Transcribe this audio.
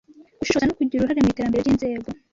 gushishoza no kugira uruhare mu iterambere ry'inzego